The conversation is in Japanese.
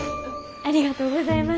ありがとうございます。